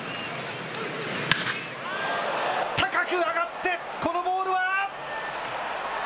高く上がって、このボールは？